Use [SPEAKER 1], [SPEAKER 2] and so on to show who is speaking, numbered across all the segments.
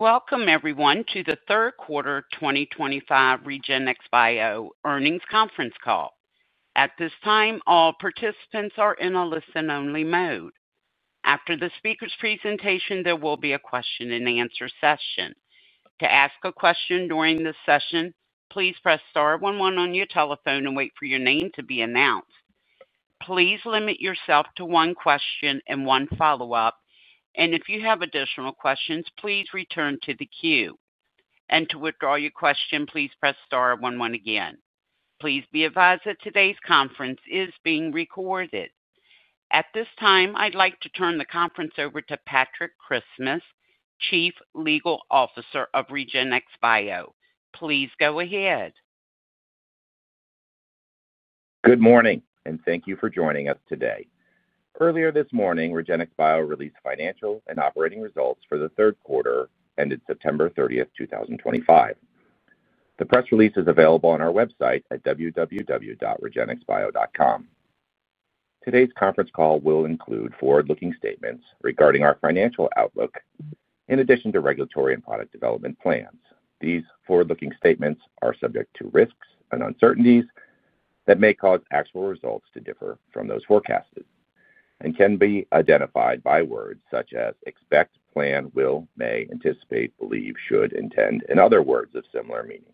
[SPEAKER 1] Welcome, everyone, to the third quarter 2025 REGENXBIO earnings conference call. At this time, all participants are in a listen-only mode. After the speaker's presentation, there will be a question-and-answer session. To ask a question during this session, please press star one one on your telephone and wait for your name to be announced. Please limit yourself to one question and one follow-up, and if you have additional questions, please return to the queue. To withdraw your question, please press star one one again. Please be advised that today's conference is being recorded. At this time, I'd like to turn the conference over to Patrick Christmas, Chief Legal Officer of REGENXBIO. Please go ahead.
[SPEAKER 2] Good morning, and thank you for joining us today. Earlier this morning, REGENXBIO released financial and operating results for the third quarter ended September 30th, 2025. The press release is available on our website at www.regenxbio.com. Today's conference call will include forward-looking statements regarding our financial outlook in addition to regulatory and product development plans. These forward-looking statements are subject to risks and uncertainties that may cause actual results to differ from those forecasted and can be identified by words such as expect, plan, will, may, anticipate, believe, should, intend, and other words of similar meaning.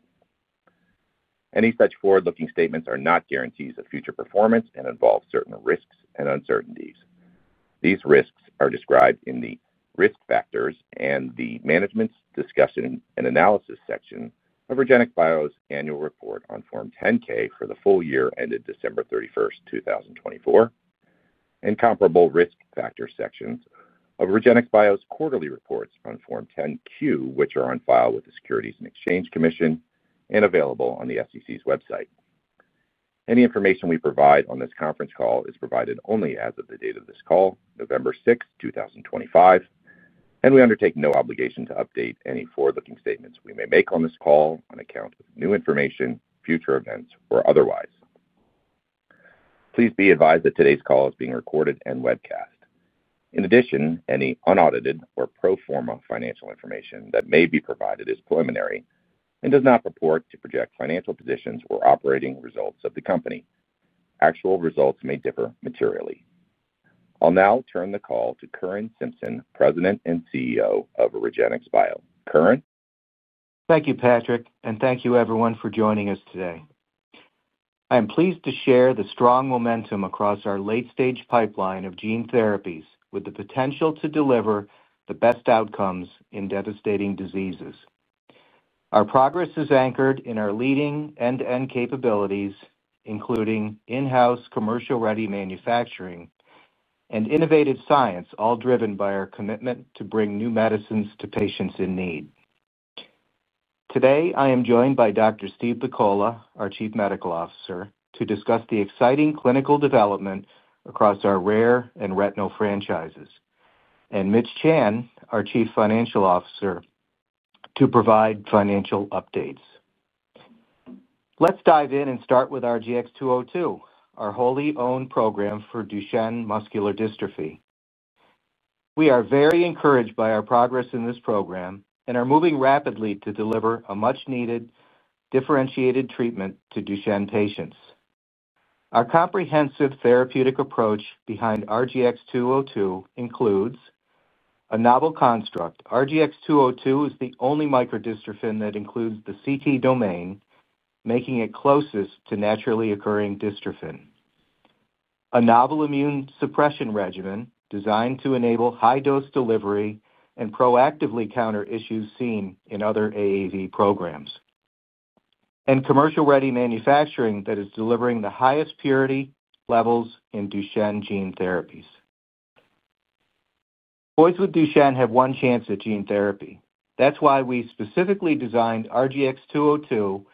[SPEAKER 2] Any such forward-looking statements are not guarantees of future performance and involve certain risks and uncertainties. These risks are described in the risk factors and the management's discussion and analysis section of REGENXBIO's annual report on Form 10-K for the full year ended December 31st, 2024. Comparable risk factor sections of REGENXBIO's quarterly reports on Form 10-Q, which are on file with the Securities and Exchange Commission and available on the SEC's website. Any information we provide on this conference call is provided only as of the date of this call, November 6th, 2025. We undertake no obligation to update any forward-looking statements we may make on this call on account of new information, future events, or otherwise. Please be advised that today's call is being recorded and webcast. In addition, any unaudited or pro forma financial information that may be provided is preliminary and does not purport to project financial positions or operating results of the company. Actual results may differ materially. I'll now turn the call to Curran Simpson, President and CEO of REGENXBIO. Curran.
[SPEAKER 3] Thank you, Patrick, and thank you, everyone, for joining us today. I am pleased to share the strong momentum across our late-stage pipeline of gene therapies with the potential to deliver the best outcomes in devastating diseases. Our progress is anchored in our leading end-to-end capabilities, including in-house, commercial-ready manufacturing, and innovative science, all driven by our commitment to bring new medicines to patients in need. Today, I am joined by Dr. Steve Pakola, our Chief Medical Officer, to discuss the exciting clinical development across our rare and retinal franchises, and Mitch Chan, our Chief Financial Officer, to provide financial updates. Let's dive in and start with our RGX-202, our wholly-owned program for Duchenne Muscular Dystrophy. We are very encouraged by our progress in this program and are moving rapidly to deliver a much-needed differentiated treatment to Duchenne patients. Our comprehensive therapeutic approach behind RGX-202 includes a novel construct. RGX-202 is the only microdystrophin that includes the CT domain, making it closest to naturally occurring dystrophin. A novel immune suppression regimen designed to enable high-dose delivery and proactively counter issues seen in other AAV programs. Commercial-ready manufacturing is delivering the highest purity levels in Duchenne gene therapies. Boys with Duchenne have one chance at gene therapy. That is why we specifically designed RGX-202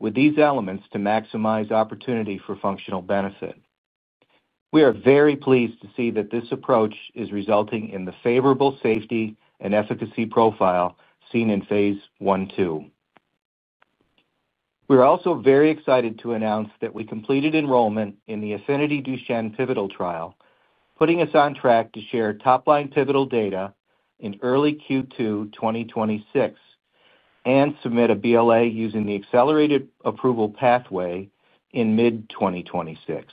[SPEAKER 3] with these elements to maximize opportunity for functional benefit. We are very pleased to see that this approach is resulting in the favorable safety and efficacy profile seen in phase I/II. We are also very excited to announce that we completed enrollment in the AFFINITY DUCHENNE Pivotal Trial, putting us on track to share top-line pivotal data in early Q2 2026. We will submit a BLA using the accelerated approval pathway in mid-2026.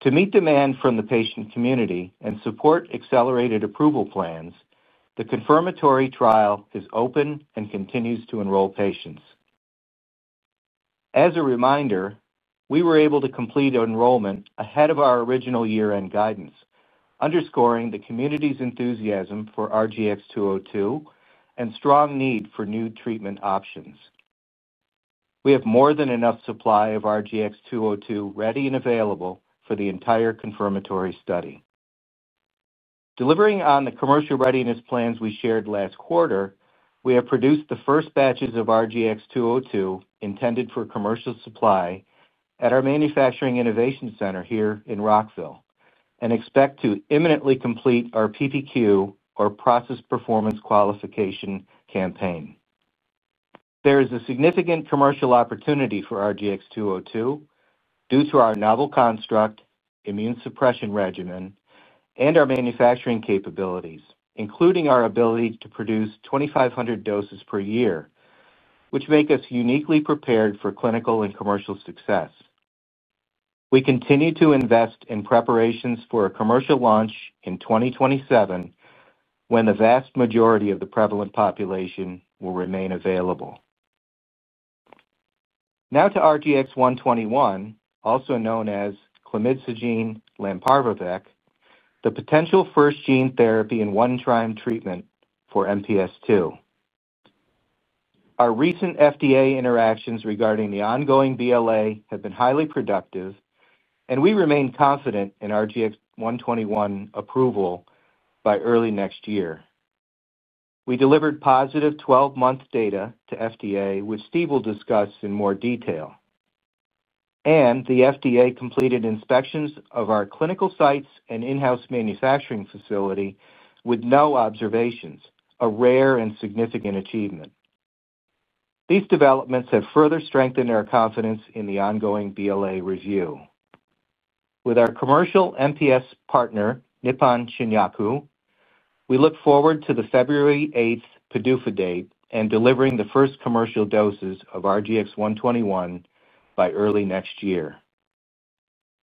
[SPEAKER 3] To meet demand from the patient community and support accelerated approval plans, the confirmatory trial is open and continues to enroll patients. As a reminder, we were able to complete enrollment ahead of our original year-end guidance, underscoring the community's enthusiasm for RGX-202 and strong need for new treatment options. We have more than enough supply of RGX-202 ready and available for the entire confirmatory study. Delivering on the commercial readiness plans we shared last quarter, we have produced the first batches of RGX-202 intended for commercial supply at our Manufacturing Innovation Center here in Rockville and expect to imminently complete our PPQ, or Process Performance Qualification, campaign. There is a significant commercial opportunity for RGX-202 due to our novel construct, immune suppression regimen, and our manufacturing capabilities, including our ability to produce 2,500 doses per year, which make us uniquely prepared for clinical and commercial success. We continue to invest in preparations for a commercial launch in 2027, when the vast majority of the prevalent population will remain available. Now to RGX-121, also known as clemidsogene lanparvovec, the potential first gene therapy and one-time treatment for MPS II. Our recent FDA interactions regarding the ongoing BLA have been highly productive, and we remain confident in RGX-121 approval by early next year. We delivered positive 12-month data to FDA, which Steve will discuss in more detail. The FDA completed inspections of our clinical sites and in-house manufacturing facility with no observations, a rare and significant achievement. These developments have further strengthened our confidence in the ongoing BLA review. With our commercial MPS partner, Nippon Shinyaku, we look forward to the February 8 PDUFA date and delivering the first commercial doses of RGX-121 by early next year.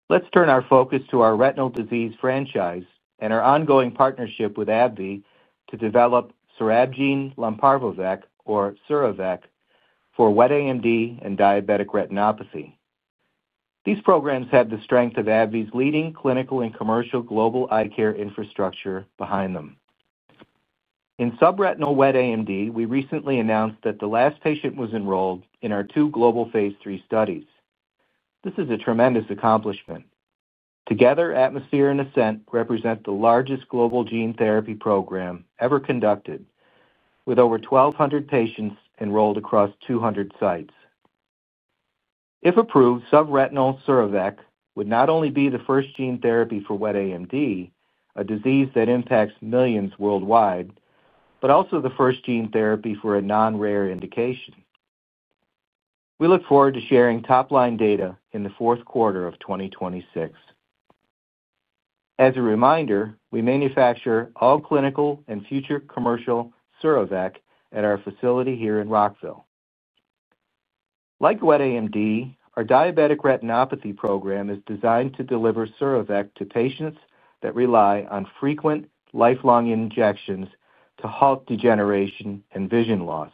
[SPEAKER 3] Let's turn our focus to our retinal disease franchise and our ongoing partnership with AbbVie to surabgene lomparvovec, or sura-vec, for wet AMD and diabetic retinopathy. These programs have the strength of AbbVie's leading clinical and commercial global eye care infrastructure behind them. In subretinal wet AMD, we recently announced that the last patient was enrolled in our two global phase III studies. This is a tremendous accomplishment. Together, ATMOSPHERE and ASCENT represent the largest global gene therapy program ever conducted, with over 1,200 patients enrolled across 200 sites. If approved, subretinal sura-vec would not only be the first gene therapy for wet AMD, a disease that impacts millions worldwide, but also the first gene therapy for a non-rare indication. We look forward to sharing top-line data in the fourth quarter of 2026. As a reminder, we manufacture all clinical and future commercial sura-vec at our facility here in Rockville. Like wet AMD, our diabetic retinopathy program is designed to deliver sura-vec to patients that rely on frequent lifelong injections to halt degeneration and vision loss,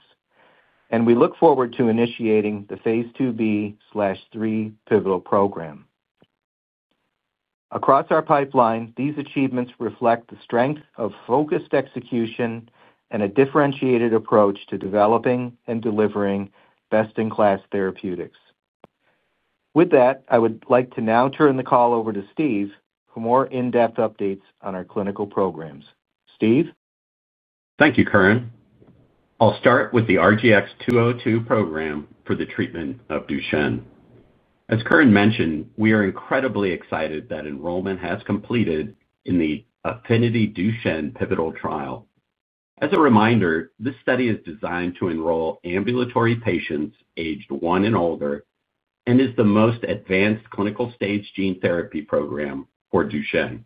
[SPEAKER 3] and we look forward to initiating the phase II-B/III pivotal program. Across our pipeline, these achievements reflect the strength of focused execution and a differentiated approach to developing and delivering best-in-class therapeutics. With that, I would like to now turn the call over to Steve for more in-depth updates on our clinical programs. Steve?
[SPEAKER 4] Thank you, Curran. I'll start with the RGX-202 program for the treatment of Duchenne. As Curran mentioned, we are incredibly excited that enrollment has completed in the AFFINITY DUCHENNE Pivotal Trial. As a reminder, this study is designed to enroll ambulatory patients aged one and older and is the most advanced clinical stage gene therapy program for Duchenne.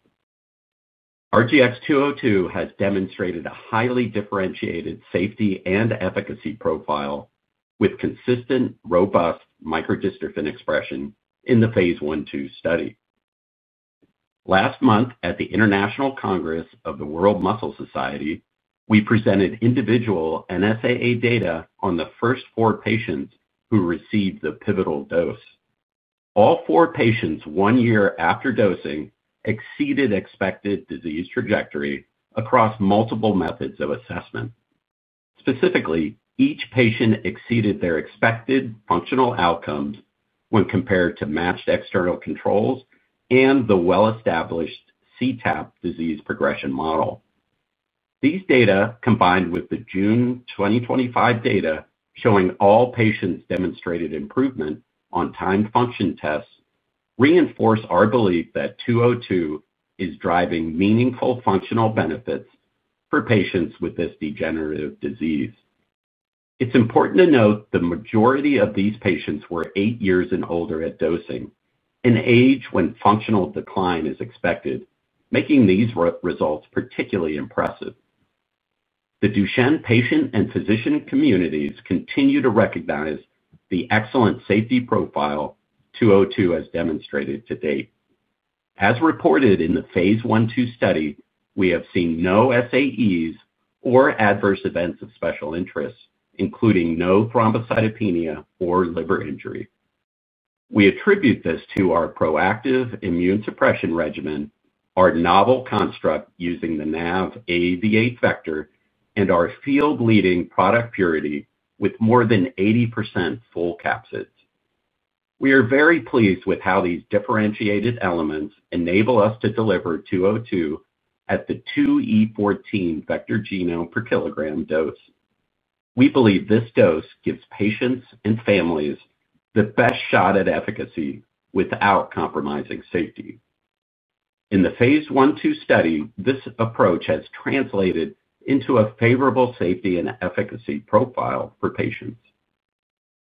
[SPEAKER 4] RGX-202 has demonstrated a highly differentiated safety and efficacy profile with consistent, robust microdystrophin expression in the phase I/II study. Last month, at the International Congress of the World Muscle Society, we presented individual and SAA data on the first four patients who received the Pivotal dose. All four patients, one year after dosing, exceeded expected disease trajectory across multiple methods of assessment. Specifically, each patient exceeded their expected functional outcomes when compared to matched external controls and the well-established CTAP disease progression model. These data, combined with the June 2025 data showing all patients demonstrated improvement on timed function tests, reinforce our belief that 202 is driving meaningful functional benefits for patients with this degenerative disease. It's important to note the majority of these patients were eight years and older at dosing, an age when functional decline is expected, making these results particularly impressive. The Duchenne patient and physician communities continue to recognize the excellent safety profile 202 has demonstrated to date. As reported in the phase I/II study, we have seen no SAEs or adverse events of special interest, including no thrombocytopenia or liver injury. We attribute this to our proactive immune suppression regimen, our novel construct using the NAV AAV8 vector, and our field-leading product purity with more than 80% full capsids. We are very pleased with how these differentiated elements enable us to deliver 202 at the 2E14 vector genome per kilogram dose. We believe this dose gives patients and families the best shot at efficacy without compromising safety. In the phase I/II study, this approach has translated into a favorable safety and efficacy profile for patients.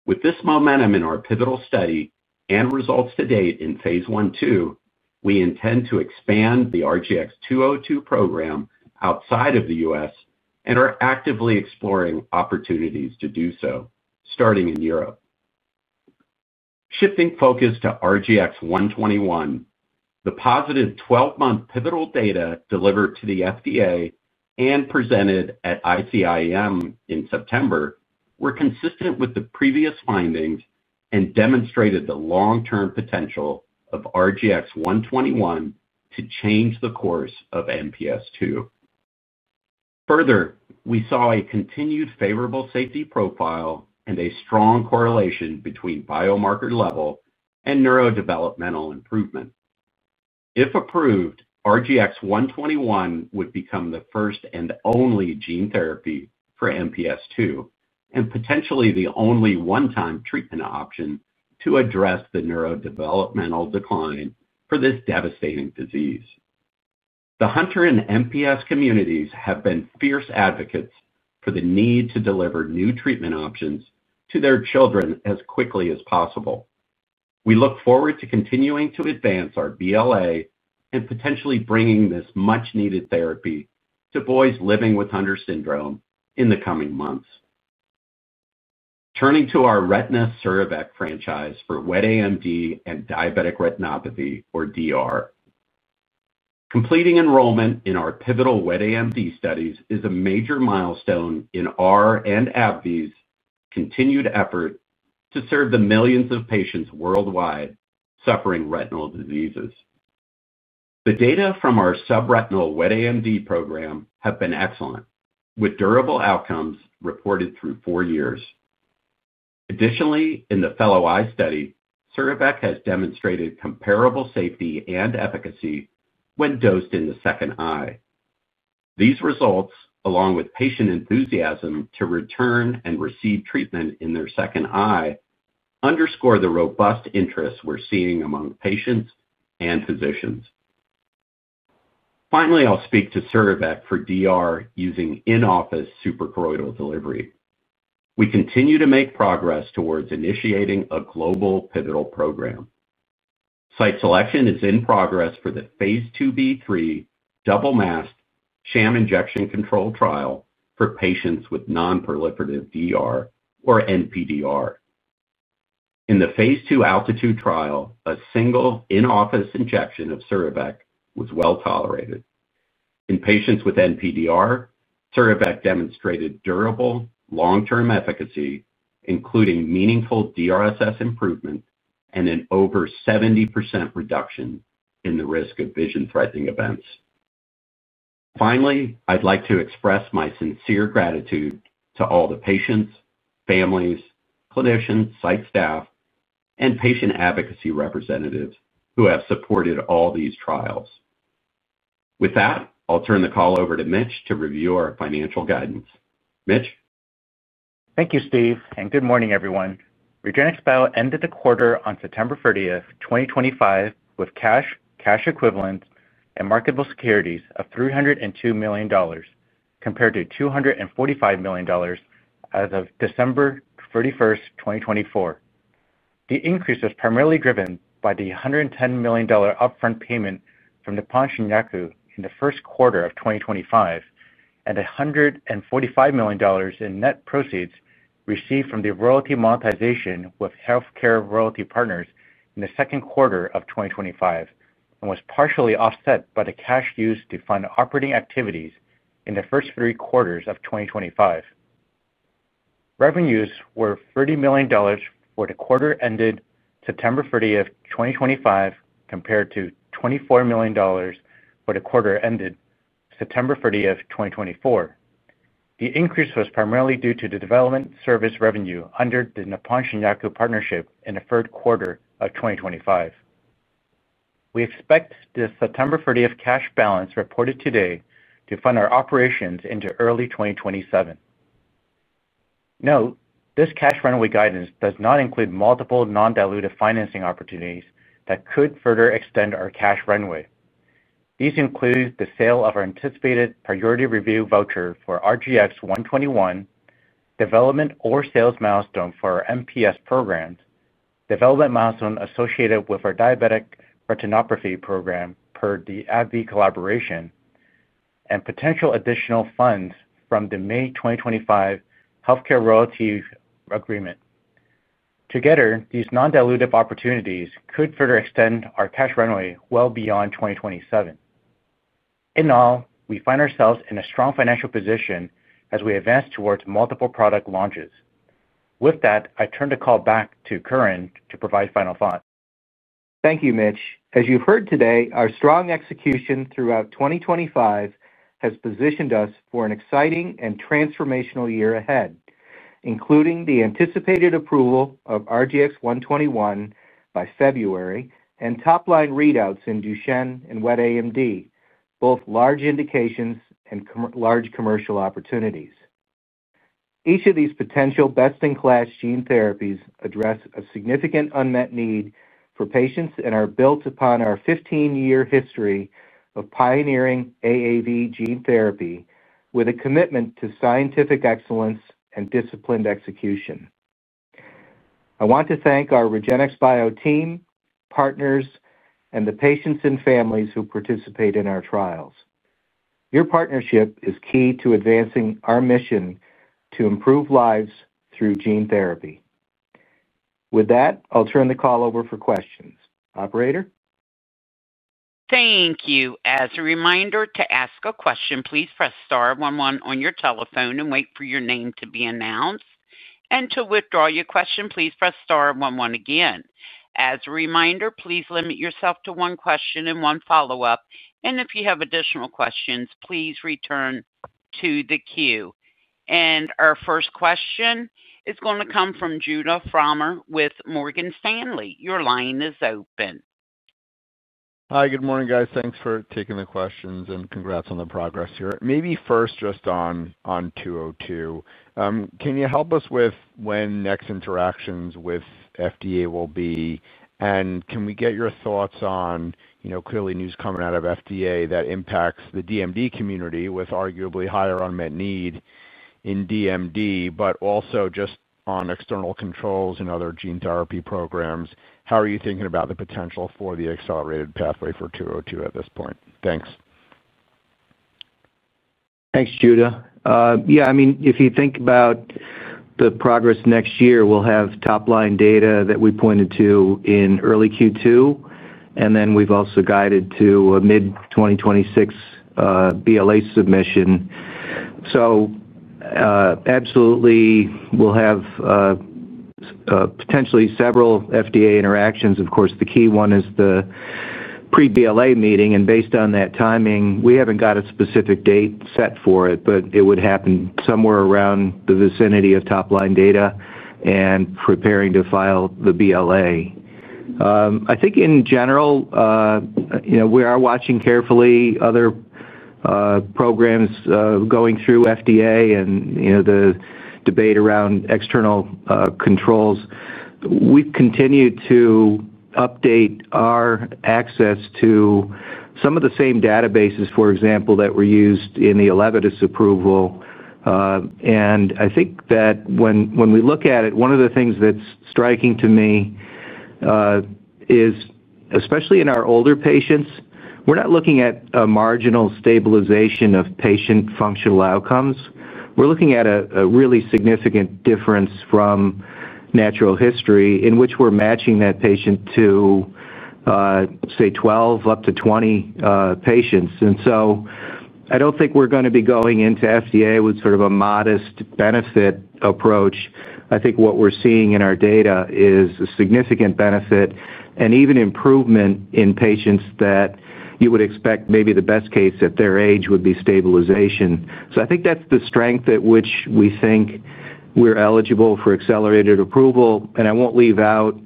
[SPEAKER 4] With this momentum in our pivotal study and results to date in phase I/II, we intend to expand the RGX-202 program outside of the U.S. and are actively exploring opportunities to do so, starting in Europe. Shifting focus to RGX-121, the positive 12-month pivotal data delivered to the FDA and presented at ICIM in September were consistent with the previous findings and demonstrated the long-term potential of RGX-121 to change the course of MPS II. Further, we saw a continued favorable safety profile and a strong correlation between biomarker level and neurodevelopmental improvement. If approved, RGX-121 would become the first and only gene therapy for MPS II and potentially the only one-time treatment option to address the neurodevelopmental decline for this devastating disease. The Hunter and MPS communities have been fierce advocates for the need to deliver new treatment options to their children as quickly as possible. We look forward to continuing to advance our BLA and potentially bringing this much-needed therapy to boys living with Hunter syndrome in the coming months. Turning to our retina sura-vec franchise for wet AMD and diabetic retinopathy, or DR. Completing enrollment in our pivotal wet AMD studies is a major milestone in our and AbbVie's continued effort to serve the millions of patients worldwide suffering retinal diseases. The data from our subretinal wet AMD program have been excellent, with durable outcomes reported through four years. Additionally, in the fellow eye study, sura-vec has demonstrated comparable safety and efficacy when dosed in the second eye. These results, along with patient enthusiasm to return and receive treatment in their second eye, underscore the robust interest we're seeing among patients and physicians. Finally, I'll speak to sura-vec for DR using in-office suprachoroidal delivery. We continue to make progress towards initiating a global pivotal program. Site selection is in progress for the phase II-B/III double-masked sham injection control trial for patients with non-proliferative DR, or NPDR. In the phase II Altitude trial, a single in-office injection of sura-vec was well tolerated. In patients with NPDR, sura-vec demonstrated durable long-term efficacy, including meaningful DRSS improvement and an over 70% reduction in the risk of vision-threatening events. Finally, I'd like to express my sincere gratitude to all the patients, families, clinicians, site staff, and patient advocacy representatives who have supported all these trials. With that, I'll turn the call over to Mitch to review our financial guidance. Mitch?
[SPEAKER 5] Thank you, Steve, and good morning, everyone. REGENXBIO ended the quarter on September 30th, 2025, with cash, cash equivalents, and marketable securities of $302 million, compared to $245 million as of December 31st, 2024. The increase was primarily driven by the $110 million upfront payment from Nippon Shinyaku in the first quarter of 2025 and $145 million in net proceeds received from the royalty monetization with Healthcare Royalty Partners in the second quarter of 2025, and was partially offset by the cash used to fund operating activities in the first three quarters of 2025. Revenues were $30 million for the quarter ended September 30th, 2025, compared to $24 million for the quarter ended September 30th, 2024. The increase was primarily due to the development service revenue under the Nippon Shinyaku partnership in the third quarter of 2025. We expect the September 30th cash balance reported today to fund our operations into early 2027. Note, this cash runway guidance does not include multiple non-dilutive financing opportunities that could further extend our cash runway. These include the sale of our anticipated priority review voucher for RGX-121, development or sales milestone for our MPS programs, development milestone associated with our diabetic retinopathy program per the AbbVie collaboration, and potential additional funds from the May 2025 Healthcare Royalty Agreement. Together, these non-dilutive opportunities could further extend our cash runway well beyond 2027. In all, we find ourselves in a strong financial position as we advance towards multiple product launches. With that, I turn the call back to Curran to provide final thoughts.
[SPEAKER 3] Thank you, Mitch. As you've heard today, our strong execution throughout 2025 has positioned us for an exciting and transformational year ahead, including the anticipated approval of RGX-121 by February and top-line readouts in Duchenne and wet AMD, both large indications and large commercial opportunities. Each of these potential best-in-class gene therapies address a significant unmet need for patients and are built upon our 15-year history of pioneering AAV gene therapy with a commitment to scientific excellence and disciplined execution. I want to thank our REGENXBIO team, partners, and the patients and families who participate in our trials. Your partnership is key to advancing our mission to improve lives through gene therapy. With that, I'll turn the call over for questions. Operator?
[SPEAKER 1] Thank you. As a reminder, to ask a question, please press star one one on your telephone and wait for your name to be announced. To withdraw your question, please press star one one again. As a reminder, please limit yourself to one question and one follow-up. If you have additional questions, please return to the queue. Our first question is going to come from Judah Frommer with Morgan Stanley. Your line is open.
[SPEAKER 6] Hi, good morning, guys. Thanks for taking the questions and congrats on the progress here. Maybe first just on 202. Can you help us with when next interactions with FDA will be? Can we get your thoughts on, clearly, news coming out of FDA that impacts the DMD community with arguably higher unmet need in DMD, but also just on external controls and other gene therapy programs? How are you thinking about the potential for the accelerated pathway for 202 at this point? Thanks.
[SPEAKER 3] Thanks, Judah. Yeah, I mean, if you think about the progress next year, we'll have top-line data that we pointed to in early Q2, and then we've also guided to a mid-2026 BLA submission. Absolutely, we'll have potentially several FDA interactions. Of course, the key one is the pre-BLA meeting. Based on that timing, we haven't got a specific date set for it, but it would happen somewhere around the vicinity of top-line data and preparing to file the BLA. I think in general we are watching carefully other programs going through FDA and the debate around external controls. We've continued to update our access to some of the same databases, for example, that were used in the Elevate as approval. I think that when we look at it, one of the things that's striking to me. Is, especially in our older patients, we're not looking at a marginal stabilization of patient functional outcomes. We're looking at a really significant difference from natural history in which we're matching that patient to, say, 12 up to 20 patients. I don't think we're going to be going into FDA with sort of a modest benefit approach. I think what we're seeing in our data is a significant benefit and even improvement in patients that you would expect maybe the best case at their age would be stabilization. I think that's the strength at which we think we're eligible for accelerated approval. I won't leave out,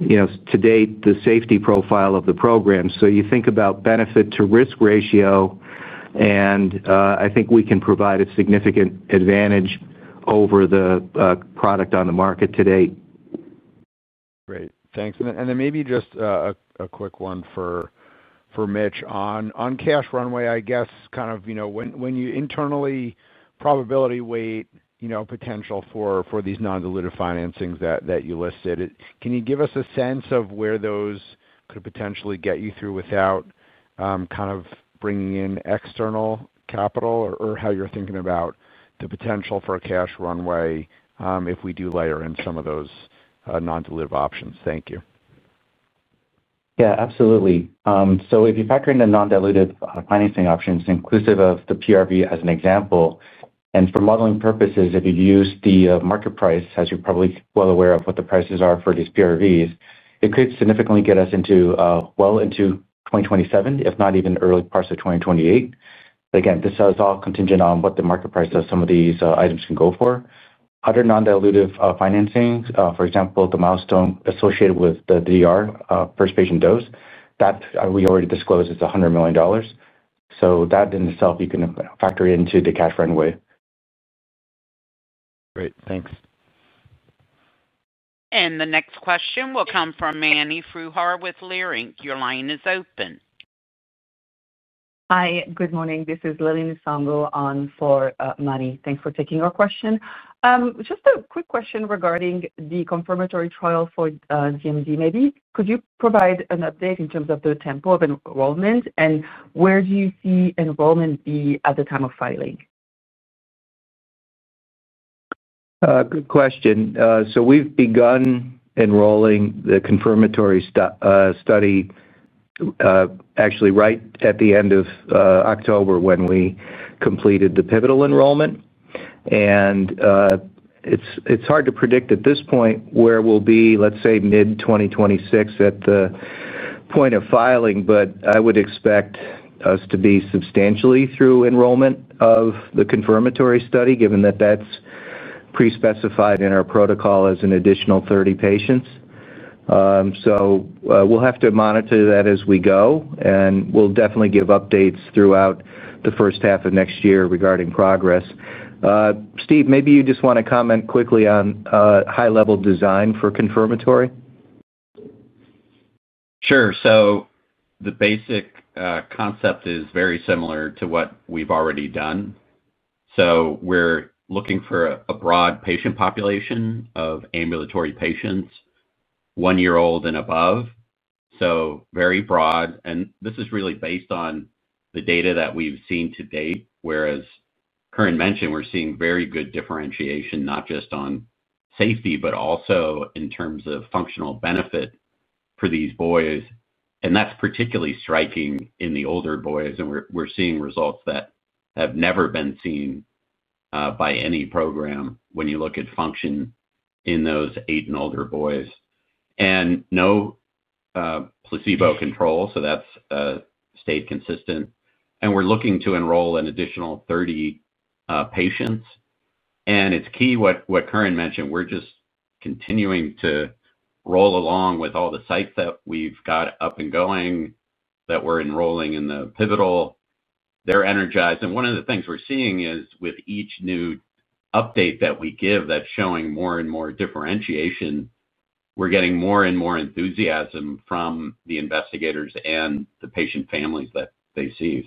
[SPEAKER 3] to date, the safety profile of the program. You think about benefit to risk ratio, and I think we can provide a significant advantage over the product on the market today.
[SPEAKER 6] Great. Thanks. Maybe just a quick one for Mitch on cash runway. I guess, kind of when you internally probability weight potential for these non-dilutive financings that you listed, can you give us a sense of where those could potentially get you through without kind of bringing in external capital or how you're thinking about the potential for a cash runway if we do layer in some of those non-dilutive options? Thank you.
[SPEAKER 5] Yeah, absolutely. If you factor in the non-dilutive financing options, inclusive of the PRV as an example, and for modeling purposes, if you use the market price, as you're probably well aware of what the prices are for these PRVs, it could significantly get us well into 2027, if not even early parts of 2028. Again, this is all contingent on what the market price of some of these items can go for. Other non-dilutive financings, for example, the milestone associated with the DR, first patient dose, that we already disclosed is $100 million. That in itself, you can factor into the cash runway.
[SPEAKER 6] Great. Thanks.
[SPEAKER 1] The next question will come from Mani Foroohar with Leerink. Your line is open.
[SPEAKER 7] Hi, good morning. This is Lily Nsongo on for Mani. Thanks for taking our question. Just a quick question regarding the confirmatory trial for DMD. Maybe could you provide an update in terms of the tempo of enrollment and where do you see enrollment be at the time of filing?
[SPEAKER 3] Good question. We've begun enrolling the confirmatory study, actually right at the end of October when we completed the pivotal enrollment. It's hard to predict at this point where we'll be, let's say, mid-2026 at the point of filing, but I would expect us to be substantially through enrollment of the confirmatory study, given that that's pre-specified in our protocol as an additional 30 patients. We'll have to monitor that as we go, and we'll definitely give updates throughout the first half of next year regarding progress. Steve, maybe you just want to comment quickly on high-level design for confirmatory?
[SPEAKER 4] Sure. The basic concept is very similar to what we've already done. We're looking for a broad patient population of ambulatory patients, one-year-old and above. Very broad. This is really based on the data that we've seen to date, where, as Curran mentioned, we're seeing very good differentiation, not just on safety, but also in terms of functional benefit for these boys. That's particularly striking in the older boys. We're seeing results that have never been seen by any program when you look at function in those eight and older boys. No placebo control, so that's stayed consistent. We're looking to enroll an additional 30 patients. It's key what Curran mentioned. We're just continuing to roll along with all the sites that we've got up and going that we're enrolling in the pivotal. They're energized. One of the things we're seeing is with each new update that we give that's showing more and more differentiation, we're getting more and more enthusiasm from the investigators and the patient families that they see.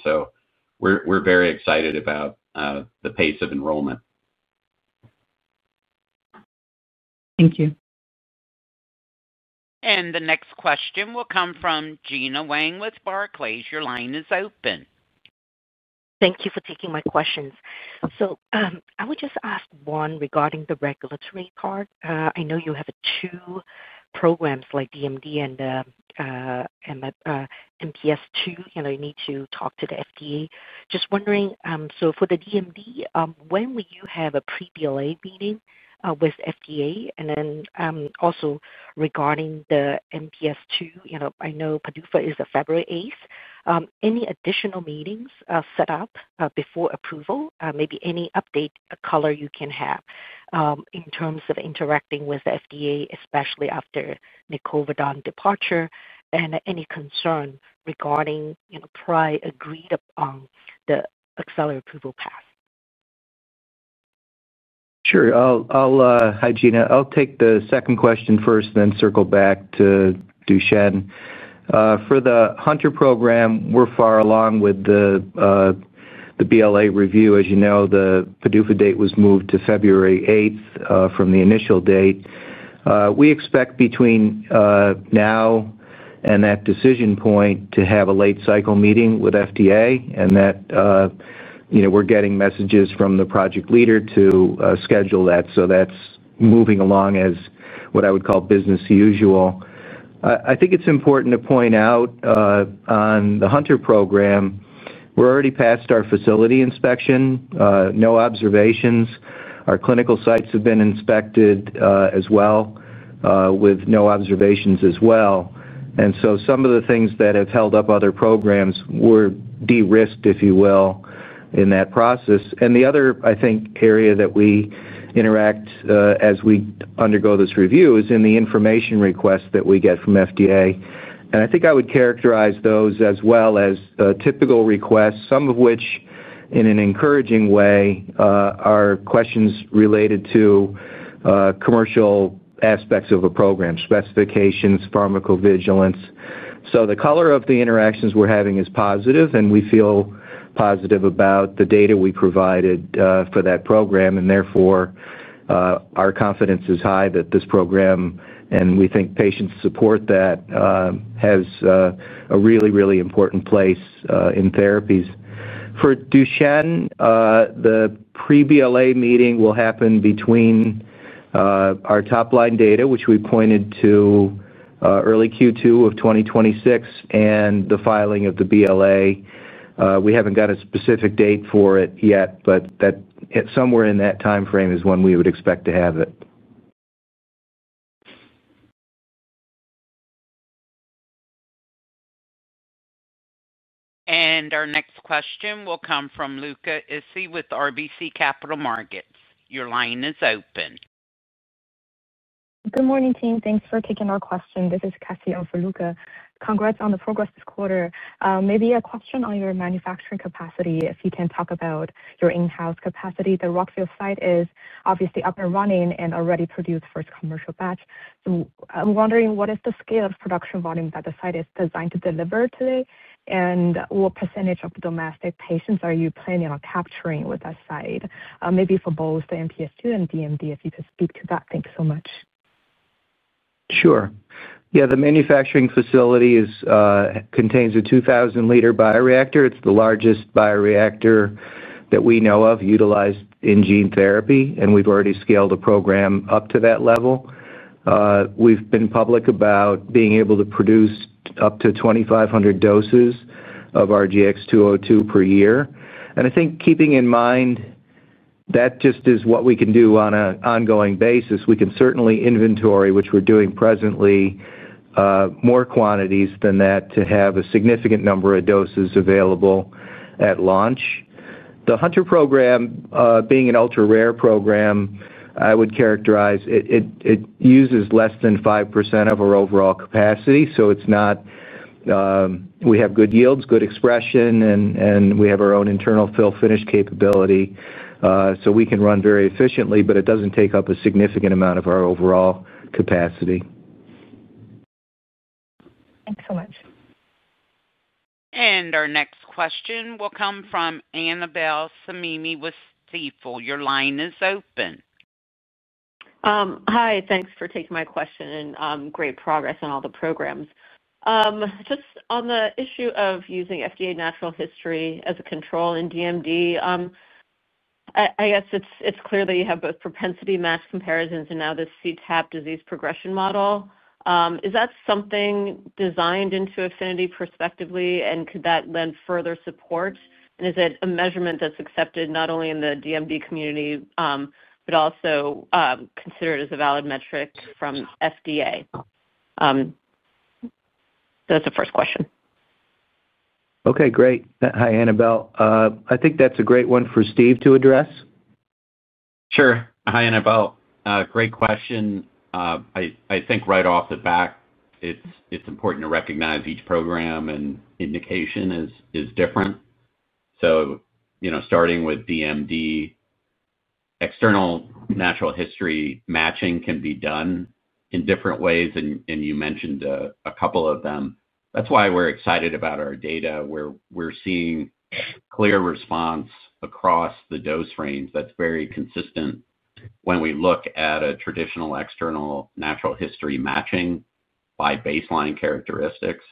[SPEAKER 4] We are very excited about the pace of enrollment.
[SPEAKER 7] Thank you.
[SPEAKER 1] The next question will come from Gena Wang with Barclays. Your line is open.
[SPEAKER 8] Thank you for taking my questions. I would just ask one regarding the regulatory part. I know you have two programs like DMD and MPS II. You need to talk to the FDA. Just wondering, for the DMD, when will you have a pre-BLA meeting with FDA? Also regarding the MPS II, I know PDUFA is February 8. Any additional meetings set up before approval? Maybe any update color you can have. In terms of interacting with the FDA, especially after Nicole Vedant's departure, any concern regarding PRI agreed upon the accelerated approval path?
[SPEAKER 3] Sure. Hi, Gena. I'll take the second question first, then circle back to Duchenne. For the Hunter program, we're far along with the BLA review. As you know, the PDUFA date was moved to February 8 from the initial date. We expect between now and that decision point to have a late cycle meeting with FDA, and we're getting messages from the project leader to schedule that. That's moving along as what I would call business as usual. I think it's important to point out on the Hunter program we're already past our facility inspection. No observations. Our clinical sites have been inspected as well with no observations as well. Some of the things that have held up other programs were de-risked, if you will, in that process. The other, I think, area that we interact as we undergo this review is in the information requests that we get from FDA. I think I would characterize those as well as typical requests, some of which in an encouraging way are questions related to commercial aspects of a program, specifications, pharmacovigilance. The color of the interactions we're having is positive, and we feel positive about the data we provided for that program. Therefore, our confidence is high that this program, and we think patients support that, has a really, really important place in therapies for Duchenne. The pre-BLA meeting will happen between our top-line data, which we pointed to early Q2 of 2026, and the filing of the BLA. We haven't got a specific date for it yet, but somewhere in that timeframe is when we would expect to have it.
[SPEAKER 1] Our next question will come from Luca Issi with RBC Capital Markets. Your line is open. Good morning, team. Thanks for taking our question. This is Cassio for Luca. Congrats on the progress this quarter. Maybe a question on your manufacturing capacity, if you can talk about your in-house capacity. The Rockville site is obviously up and running and already produced first commercial batch. I'm wondering, what is the scale of production volume that the site is designed to deliver today? What percentage of domestic patients are you planning on capturing with that site? Maybe for both the MPS II and DMD, if you could speak to that. Thank you so much.
[SPEAKER 3] Sure. Yeah, the manufacturing facility contains a 2,000-liter bioreactor. It's the largest bioreactor that we know of utilized in gene therapy, and we've already scaled the program up to that level. We've been public about being able to produce up to 2,500 doses of our RGX-202 per year. I think keeping in mind that just is what we can do on an ongoing basis. We can certainly inventory, which we're doing presently, more quantities than that to have a significant number of doses available at launch. The Hunter program, being an ultra-rare program, I would characterize it uses less than 5% of our overall capacity. It's not. We have good yields, good expression, and we have our own internal fill-finish capability. We can run very efficiently, but it doesn't take up a significant amount of our overall capacity. Thanks so much.
[SPEAKER 1] Our next question will come from Annabel Samimy with Stifel. Your line is open.
[SPEAKER 9] Hi. Thanks for taking my question and great progress on all the programs. Just on the issue of using FDA natural history as a control in DMD. I guess it's clear that you have both propensity match comparisons and now the CTAP disease progression model. Is that something designed into Affinity prospectively, and could that lend further support? Is it a measurement that's accepted not only in the DMD community but also considered as a valid metric from FDA? That's the first question.
[SPEAKER 3] Okay. Great. Hi, Annabel. I think that's a great one for Steve to address.
[SPEAKER 4] Sure. Hi, Annabel. Great question. I think right off the bat, it's important to recognize each program and indication is different. Starting with DMD. External natural history matching can be done in different ways, and you mentioned a couple of them. That's why we're excited about our data. We're seeing clear response across the dose range that's very consistent when we look at a traditional external natural history matching by baseline characteristics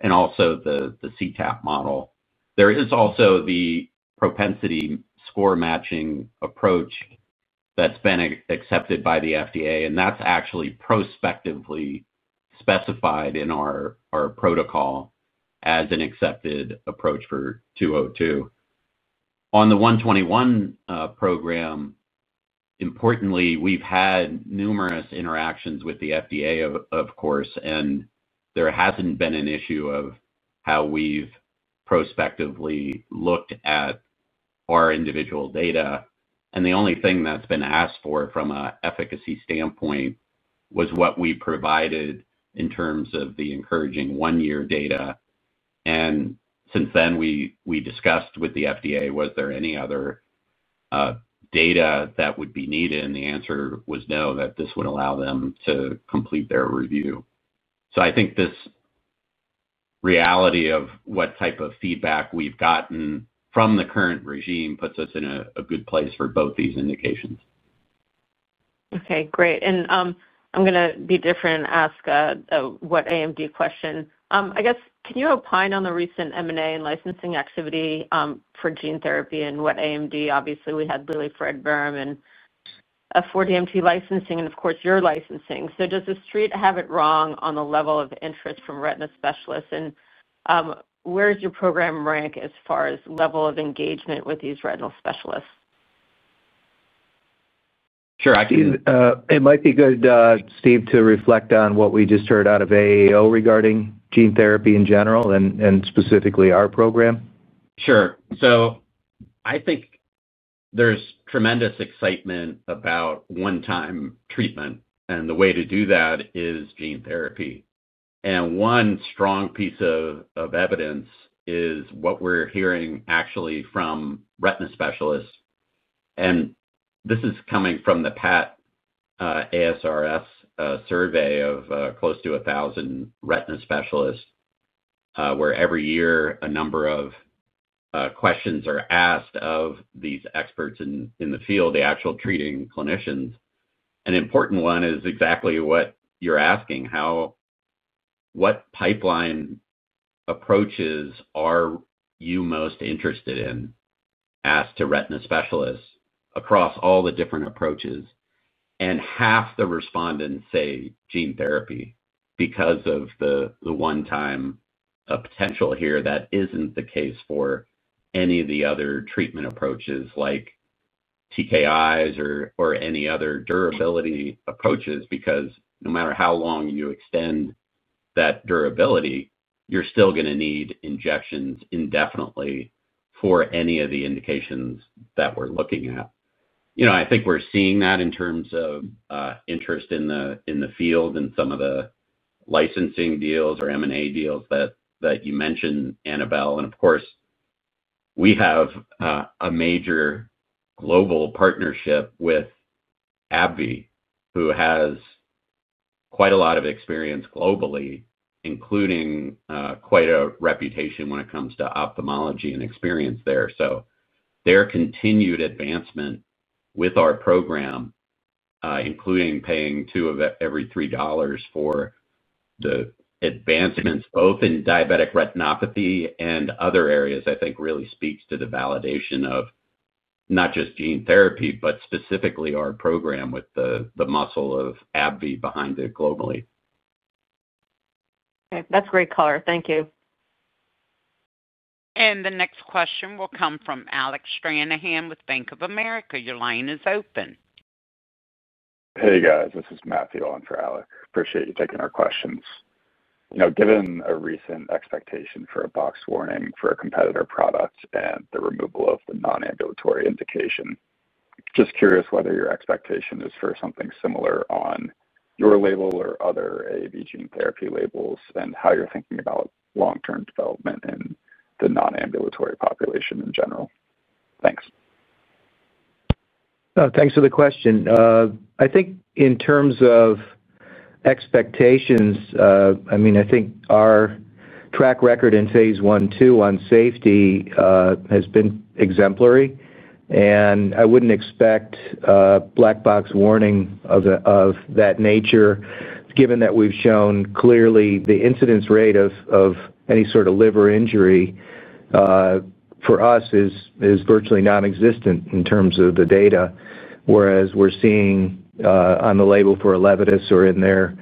[SPEAKER 4] and also the CTAP model. There is also the propensity score matching approach that's been accepted by the FDA, and that's actually prospectively specified in our protocol as an accepted approach for 202. On the 121 program. Importantly, we've had numerous interactions with the FDA, of course, and there hasn't been an issue of how we've prospectively looked at our individual data. The only thing that's been asked for from an efficacy standpoint was what we provided in terms of the encouraging one-year data. Since then, we discussed with the FDA, was there any other data that would be needed? The answer was no, that this would allow them to complete their review. I think this reality of what type of feedback we've gotten from the current regime puts us in a good place for both these indications.
[SPEAKER 9] Okay. Great. I'm going to be different and ask a wet AMD question. I guess, can you opine on the recent M&A and licensing activity for gene therapy and wet AMD? Obviously, we had Lilly, Fredberm, and for DMT licensing and, of course, your licensing. Does the street have it wrong on the level of interest from retina specialists? Where does your program rank as far as level of engagement with these retinal specialists?
[SPEAKER 4] Sure.
[SPEAKER 3] It might be good, Steve, to reflect on what we just heard out of AAO regarding gene therapy in general and specifically our program.
[SPEAKER 4] Sure. I think there's tremendous excitement about one-time treatment, and the way to do that is gene therapy. One strong piece of evidence is what we're hearing actually from retina specialists. This is coming from the Pat ASRS survey of close to 1,000 retina specialists, where every year a number of questions are asked of these experts in the field, the actual treating clinicians. An important one is exactly what you're asking. What pipeline approaches are you most interested in as retina specialists across all the different approaches? Half the respondents say gene therapy because of the one-time potential here that isn't the case for any of the other treatment approaches like TKIs or any other durability approaches, because no matter how long you extend that durability, you're still going to need injections indefinitely for any of the indications that we're looking at. I think we're seeing that in terms of interest in the field and some of the licensing deals. M&A deals that you mentioned, Annabel. Of course, we have a major global partnership with AbbVie, who has quite a lot of experience globally, including quite a reputation when it comes to ophthalmology and experience there. Their continued advancement with our program, including paying two of every $3 for the advancements, both in diabetic retinopathy and other areas, I think really speaks to the validation of not just gene therapy, but specifically our program with the muscle of AbbVie behind it globally.
[SPEAKER 9] Okay. That's great color. Thank you.
[SPEAKER 1] The next question will come from Alec Stranahan with Bank of America. Your line is open. Hey, guys. This is Matthew on for Alec. Appreciate you taking our questions. Given a recent expectation for a box warning for a competitor product and the removal of the non-ambulatory indication, just curious whether your expectation is for something similar on your label or other AAV gene therapy labels and how you're thinking about long-term development in the non-ambulatory population in general. Thanks.
[SPEAKER 3] Thanks for the question. I think in terms of expectations, I mean, I think our track record in phase one two on safety has been exemplary. I wouldn't expect black box warning of that nature, given that we've shown clearly the incidence rate of any sort of liver injury for us is virtually nonexistent in terms of the data, whereas we're seeing on the label for Levadis or in their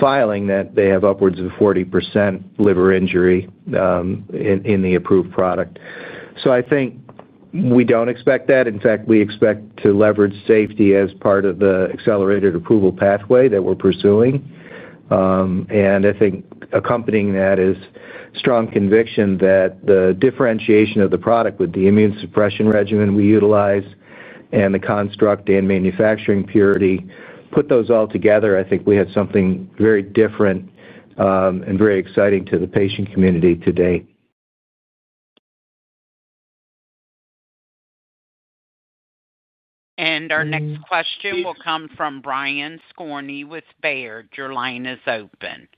[SPEAKER 3] filing that they have upwards of 40% liver injury in the approved product. I think we don't expect that. In fact, we expect to leverage safety as part of the accelerated approval pathway that we're pursuing. I think accompanying that is strong conviction that the differentiation of the product with the immune suppression regimen we utilize and the construct and manufacturing purity, put those all together, I think we have something very different. Very exciting to the patient community today.
[SPEAKER 1] Our next question will come from Brian Skorney with Baird. Your line is open.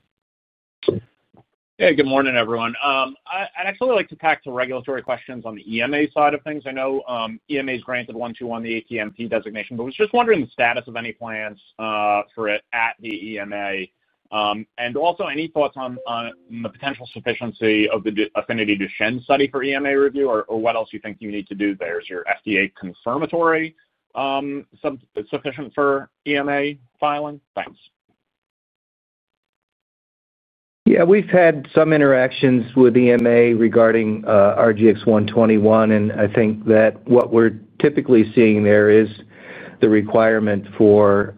[SPEAKER 10] Hey, good morning, everyone. I'd actually like to tack two regulatory questions on the EMA side of things. I know EMA's granted one, two on the ATMP designation, but I was just wondering the status of any plans for it at the EMA. Also, any thoughts on the potential sufficiency of the AFFINITY DUCHENNE study for EMA review, or what else you think you need to do there? Is your FDA confirmatory sufficient for EMA filing? Thanks.
[SPEAKER 3] Yeah. We've had some interactions with EMA regarding RGX-121, and I think that what we're typically seeing there is the requirement for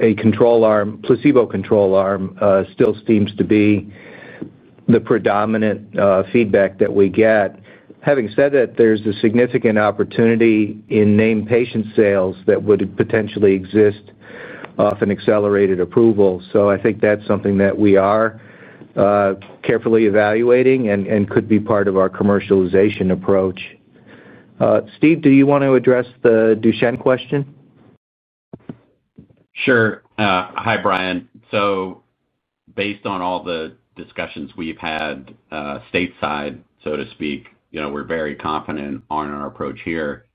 [SPEAKER 3] a control arm, placebo control arm, still seems to be the predominant feedback that we get. Having said that, there's a significant opportunity in name patient sales that would potentially exist off an accelerated approval. I think that's something that we are carefully evaluating and could be part of our commercialization approach. Steve, do you want to address the Duchenne question?
[SPEAKER 4] Sure. Hi, Brian. Based on all the discussions we've had stateside, so to speak, we're very confident on our approach here.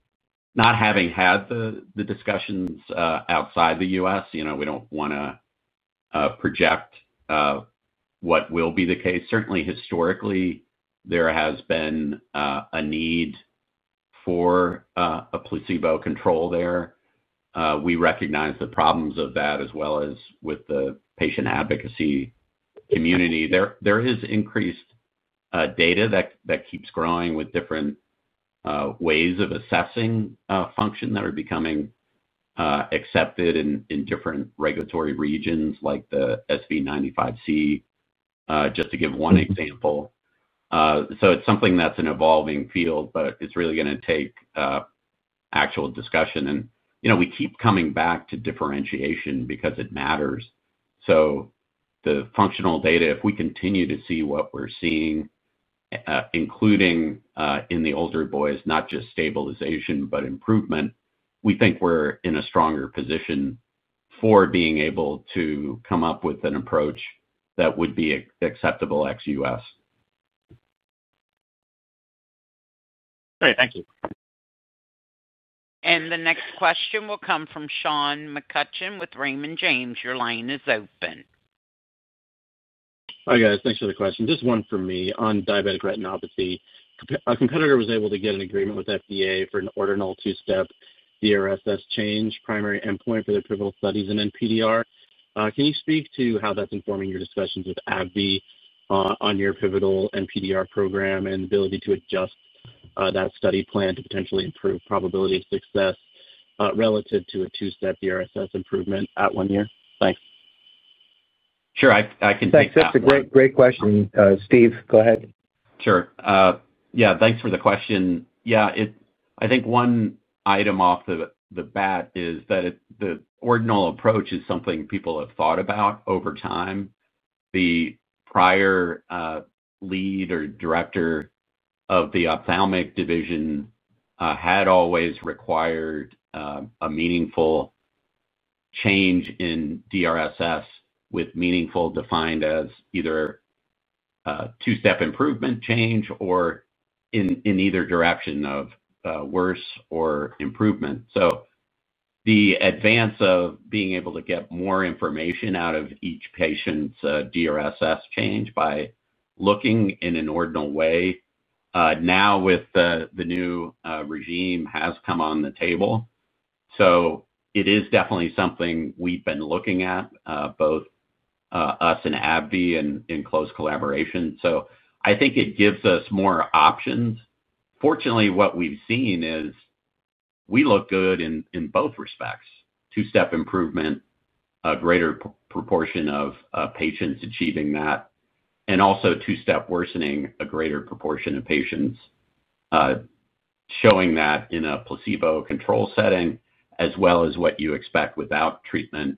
[SPEAKER 4] Not having had the discussions outside the U.S., we don't want to project what will be the case. Certainly, historically, there has been a need for a placebo control there. We recognize the problems of that as well as with the patient advocacy community. There is increased data that keeps growing with different ways of assessing function that are becoming accepted in different regulatory regions like the SV95C, just to give one example. It's something that's an evolving field, but it's really going to take actual discussion. We keep coming back to differentiation because it matters. The functional data, if we continue to see what we're seeing, including in the older boys, not just stabilization but improvement, we think we're in a stronger position. For being able to come up with an approach that would be acceptable ex-U.S.
[SPEAKER 10] Great. Thank you.
[SPEAKER 1] The next question will come from Sean McCutcheon with Raymond James. Your line is open.
[SPEAKER 11] Hi, guys. Thanks for the question. Just one for me on diabetic retinopathy. A competitor was able to get an agreement with FDA for an ordinal two-step DRSS change, primary endpoint for their pivotal studies in NPDR. Can you speak to how that's informing your discussions with AbbVie on your pivotal NPDR program and ability to adjust that study plan to potentially improve probability of success relative to a two-step DRSS improvement at one year? Thanks.
[SPEAKER 4] Sure. I can take that.
[SPEAKER 3] That's a great question. Steve, go ahead.
[SPEAKER 4] Sure. Yeah. Thanks for the question. Yeah. I think one item off the bat is that the ordinal approach is something people have thought about over time. The prior lead or director of the ophthalmic division had always required a meaningful change in DRSS with meaningful defined as either two-step improvement change or in either direction of worse or improvement. The advance of being able to get more information out of each patient's DRSS change by looking in an ordinal way now with the new regime has come on the table. It is definitely something we've been looking at, both us and AbbVie in close collaboration. I think it gives us more options. Fortunately, what we've seen is we look good in both respects. Two-step improvement, a greater proportion of patients achieving that, and also two-step worsening, a greater proportion of patients. Showing that in a placebo control setting, as well as what you expect without treatment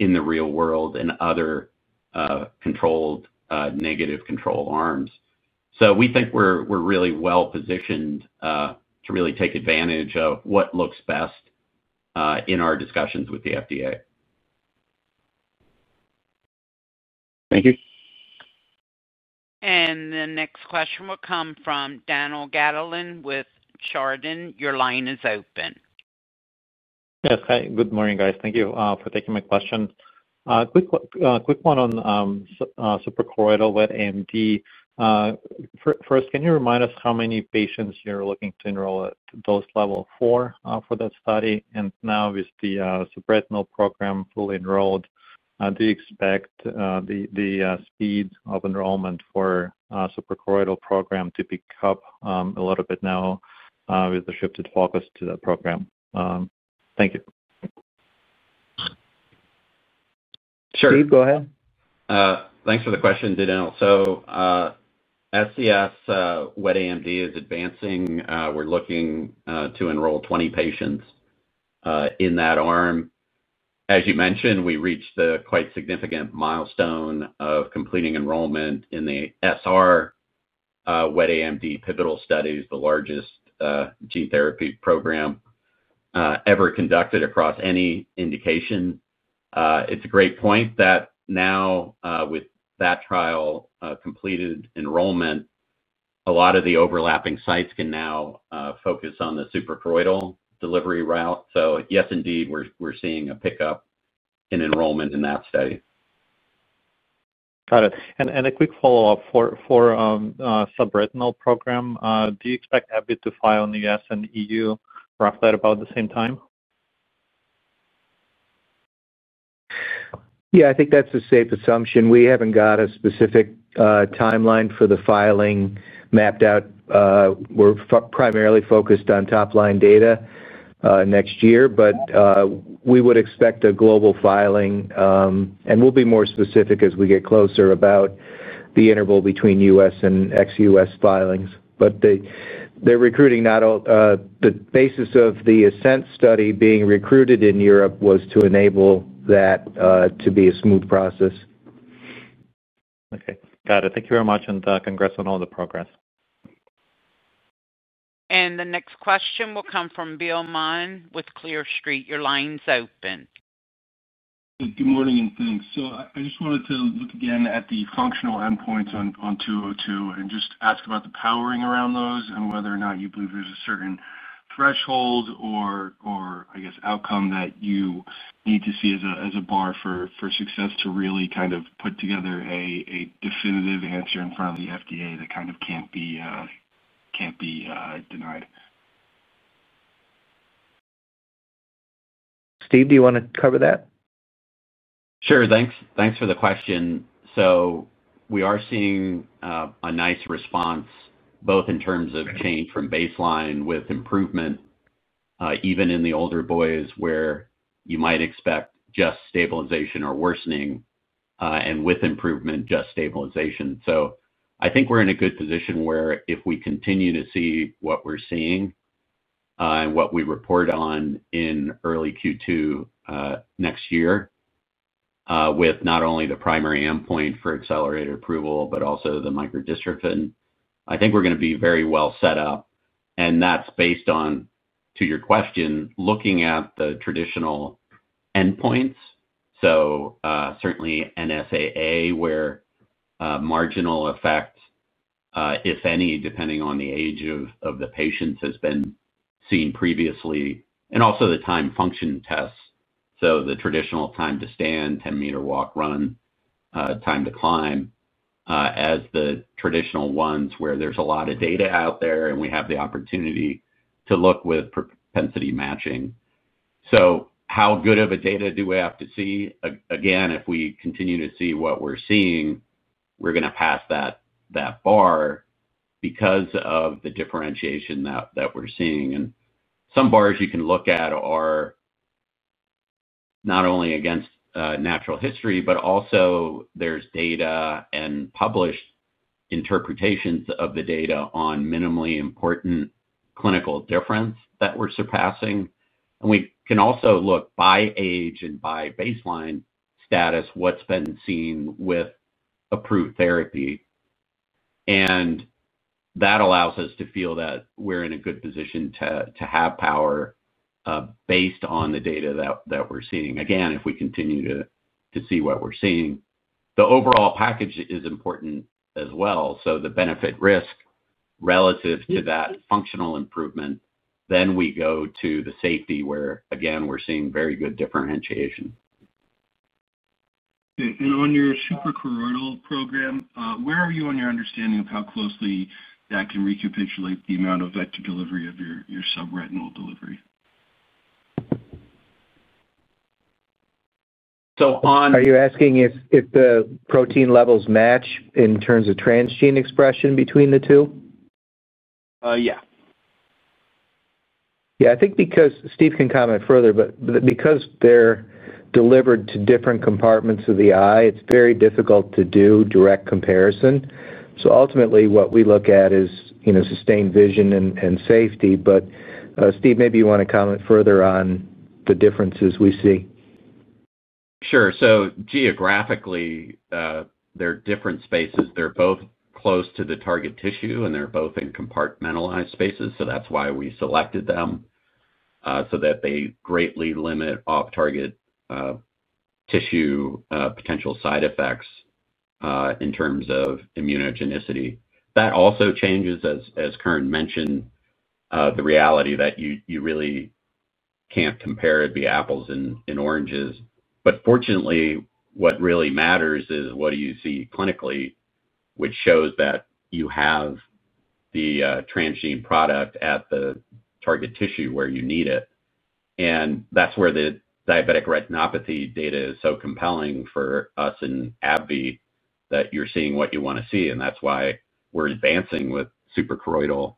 [SPEAKER 4] in the real world and other controlled negative control arms. We think we're really well positioned to really take advantage of what looks best in our discussions with the FDA.
[SPEAKER 11] Thank you.
[SPEAKER 1] The next question will come from Daniil Gataulin with Chardan. Your line is open.
[SPEAKER 12] Yes. Hi. Good morning, guys. Thank you for taking my question. Quick one on super choroidal with AMD. First, can you remind us how many patients you're looking to enroll at dose level four for that study? Now with the subretinal program fully enrolled, do you expect the speed of enrollment for super choroidal program to pick up a little bit now with the shifted focus to that program? Thank you.
[SPEAKER 4] Sure.
[SPEAKER 3] Steve, go ahead.
[SPEAKER 4] Thanks for the question, Daniil. SCS with AMD is advancing. We're looking to enroll 20 patients in that arm. As you mentioned, we reached the quite significant milestone of completing enrollment in the SR with AMD pivotal studies, the largest gene therapy program ever conducted across any indication. It's a great point that now with that trial completed enrollment, a lot of the overlapping sites can now focus on the suprachoroidal delivery route. Yes, indeed, we're seeing a pickup in enrollment in that study.
[SPEAKER 12] Got it. A quick follow-up for subretinal program. Do you expect AbbVie to file in the U.S. and EU roughly at about the same time?
[SPEAKER 3] Yeah. I think that's a safe assumption. We haven't got a specific timeline for the filing mapped out. We're primarily focused on top-line data next year, but we would expect a global filing. We'll be more specific as we get closer about the interval between U.S. and ex-U.S. filings. They're recruiting. Not all the basis of the ASCENT study being recruited in Europe was to enable that to be a smooth process.
[SPEAKER 12] Okay. Got it. Thank you very much, and congrats on all the progress.
[SPEAKER 1] The next question will come from Bill Maughan with Clear Street. Your line's open.
[SPEAKER 13] Good morning and thanks. I just wanted to look again at the functional endpoints on 202 and just ask about the powering around those and whether or not you believe there's a certain threshold or, I guess, outcome that you need to see as a bar for success to really kind of put together a definitive answer in front of the FDA that kind of can't be denied.
[SPEAKER 3] Steve, do you want to cover that?
[SPEAKER 4] Sure. Thanks for the question. We are seeing a nice response, both in terms of change from baseline with improvement, even in the older boys where you might expect just stabilization or worsening, and with improvement, just stabilization. I think we're in a good position where if we continue to see what we're seeing and what we report on in early Q2 next year, with not only the primary endpoint for accelerated approval but also the microdystrophin, I think we're going to be very well set up. That's based on, to your question, looking at the traditional endpoints. Certainly NSAA, where marginal effect, if any, depending on the age of the patients, has been seen previously, and also the time function tests. The traditional time to stand, 10 m walk run, time to climb. As the traditional ones where there's a lot of data out there and we have the opportunity to look with propensity matching. How good of a data do we have to see? Again, if we continue to see what we're seeing, we're going to pass that bar because of the differentiation that we're seeing. Some bars you can look at are not only against natural history, but also there's data and published interpretations of the data on minimally important clinical difference that we're surpassing. We can also look by age and by baseline status what's been seen with approved therapy. That allows us to feel that we're in a good position to have power based on the data that we're seeing. Again, if we continue to see what we're seeing, the overall package is important as well. The benefit-risk relative to that functional improvement, then we go to the safety where, again, we're seeing very good differentiation.
[SPEAKER 13] On your suprachoroidal program, where are you on your understanding of how closely that can recapitulate the amount of vector delivery of your subretinal delivery?
[SPEAKER 3] So on. Are you asking if the protein levels match in terms of transgene expression between the two?
[SPEAKER 13] Yeah.
[SPEAKER 3] Yeah. I think because Steve can comment further, but because they're delivered to different compartments of the eye, it's very difficult to do direct comparison. Ultimately, what we look at is sustained vision and safety. Steve, maybe you want to comment further on the differences we see.
[SPEAKER 4] Sure. Geographically, they're different spaces. They're both close to the target tissue, and they're both in compartmentalized spaces. That's why we selected them, so that they greatly limit off-target tissue potential side effects. In terms of immunogenicity, that also changes, as Curran mentioned, the reality that you really can't compare the apples and oranges. Fortunately, what really matters is what do you see clinically, which shows that you have the transgene product at the target tissue where you need it. That's where the diabetic retinopathy data is so compelling for us in AbbVie, that you're seeing what you want to see. That's why we're advancing with suprachoroidal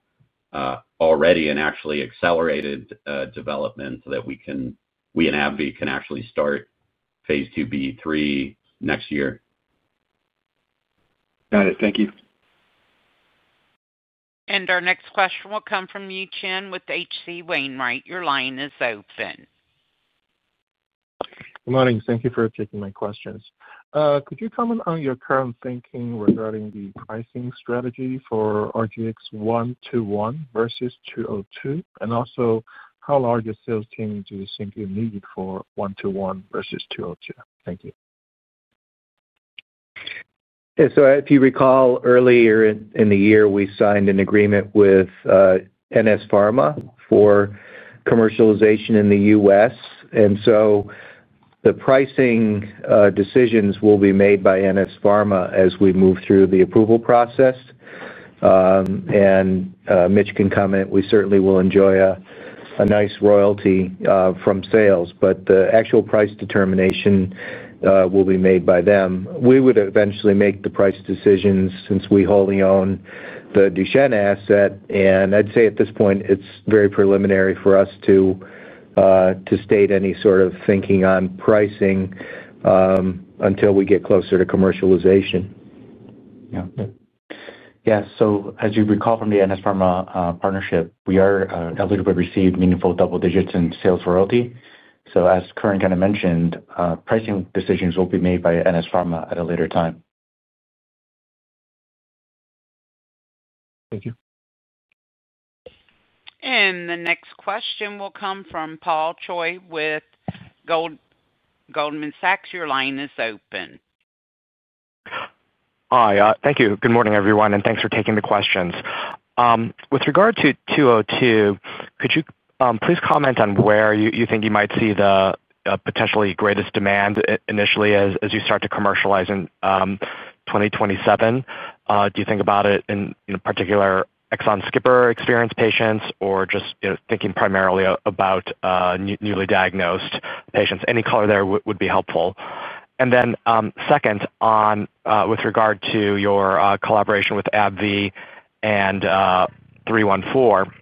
[SPEAKER 4] already and actually accelerated development so that we and AbbVie can actually start phase 2B3 next year.
[SPEAKER 13] Got it. Thank you.
[SPEAKER 1] Our next question will come from Yi Chen with H.C. Wainwright. Your line is open.
[SPEAKER 14] Good morning. Thank you for taking my questions. Could you comment on your current thinking regarding the pricing strategy for RGX-121 versus RGX-202? Also, how large a sales team do you think you need for RGX-121 versus RGX-202? Thank you.
[SPEAKER 3] Yeah. If you recall, earlier in the year, we signed an agreement with NS Pharma for commercialization in the U.S. The pricing decisions will be made by NS Pharma as we move through the approval process. Mitch can comment. We certainly will enjoy a nice royalty from sales, but the actual price determination will be made by them. We would eventually make the price decisions since we wholly own the Duchenne asset. I'd say at this point, it's very preliminary for us to state any sort of thinking on pricing until we get closer to commercialization.
[SPEAKER 4] Yeah. As you recall from the NS Pharma partnership, we are able to receive meaningful double digits in sales royalty. As Curran kind of mentioned, pricing decisions will be made by NS Pharma at a later time.
[SPEAKER 14] Thank you.
[SPEAKER 1] The next question will come from Paul Choi with Goldman Sachs. Your line is open.
[SPEAKER 15] Hi. Thank you. Good morning, everyone. Thanks for taking the questions. With regard to 202, could you please comment on where you think you might see the potentially greatest demand initially as you start to commercialize in 2027? Do you think about it in particular exon skipper experience patients or just thinking primarily about newly diagnosed patients? Any color there would be helpful. Then second, with regard to your collaboration with AbbVie and 314,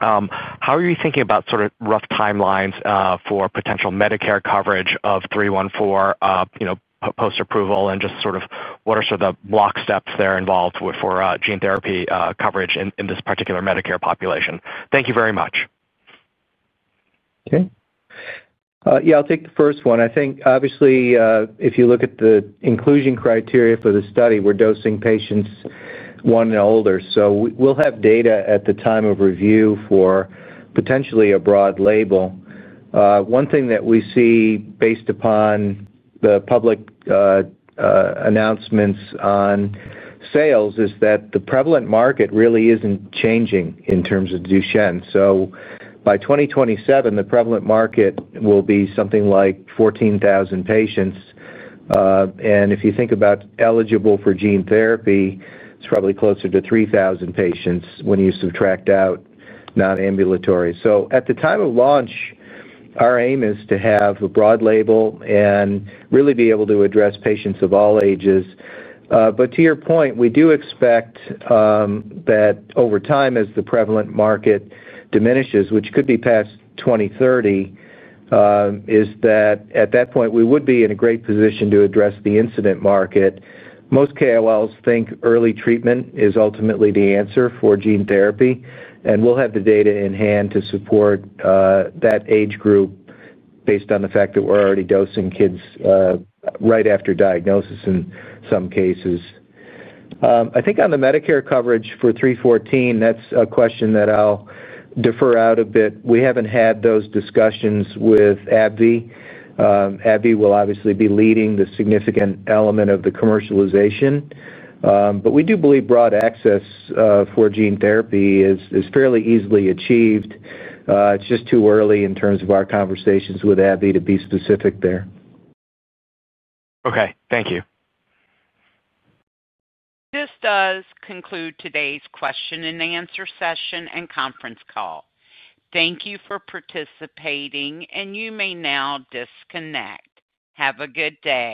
[SPEAKER 15] how are you thinking about sort of rough timelines for potential Medicare coverage of 314 post-approval? Just sort of what are the block steps there involved for gene therapy coverage in this particular Medicare population? Thank you very much.
[SPEAKER 3] Okay. Yeah. I'll take the first one. I think, obviously, if you look at the inclusion criteria for the study, we're dosing patients one and older. So we'll have data at the time of review for potentially a broad label. One thing that we see based upon the public announcements on sales is that the prevalent market really isn't changing in terms of Duchenne. By 2027, the prevalent market will be something like 14,000 patients. If you think about eligible for gene therapy, it's probably closer to 3,000 patients when you subtract out non-ambulatory. At the time of launch, our aim is to have a broad label and really be able to address patients of all ages. To your point, we do expect that over time, as the prevalent market diminishes, which could be past 2030. Is that at that point, we would be in a great position to address the incident market. Most KOLs think early treatment is ultimately the answer for gene therapy. And we'll have the data in hand to support. That age group. Based on the fact that we're already dosing kids. Right after diagnosis in some cases. I think on the Medicare coverage for 314, that's a question that I'll defer out a bit. We haven't had those discussions with AbbVie. AbbVie will obviously be leading the significant element of the commercialization. But we do believe broad access for gene therapy is fairly easily achieved. It's just too early in terms of our conversations with AbbVie to be specific there.
[SPEAKER 15] Okay. Thank you.
[SPEAKER 1] This does conclude today's question and answer session and conference call. Thank you for participating, and you may now disconnect. Have a good day.